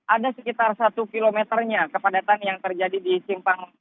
ada sekitar satu kilometernya kepadatan yang terjadi di singpang